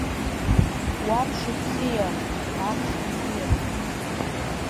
Уа мшыбзиа, амш бзиа!